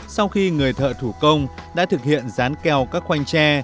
sau khi người thợ thủ công đã thực hiện dán keo các khoanh tre